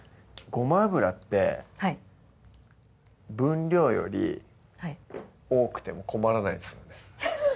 ごま油ってはい分量より多くても困らないですよね